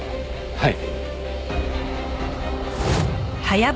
はい。